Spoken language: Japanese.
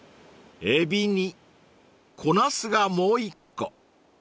［エビに小茄子がもう１個］